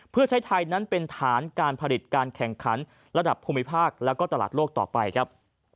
เพื่อใช้ไทยนั้นเป็นฐานการผลิตการแข่งขันระดับภูมิภาคแล้วก็ตลาดโลกต่อไปครับ